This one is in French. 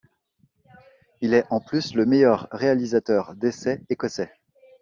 Il est en plus le meilleur réalisateur d'essais écossais.